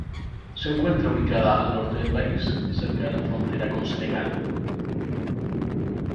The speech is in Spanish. Se encuentra ubicada al norte del país, cerca de la frontera con Senegal.